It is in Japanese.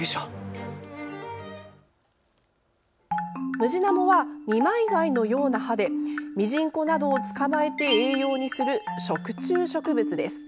ムジナモは二枚貝のような葉でミジンコなどを捕まえて栄養にする、食虫植物です。